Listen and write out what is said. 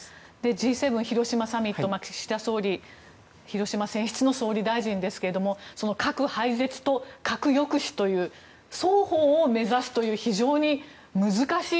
Ｇ７広島サミット岸田総理は広島選出の総理大臣ですけど核廃絶と核抑止という双方を目指すという非常に難しい。